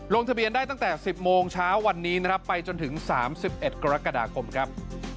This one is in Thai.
ลงทะเบียนได้ตั้งแต่๑๐โมงเช้าวันนี้นะครับไปจนถึง๓๑กรกฎาคมครับ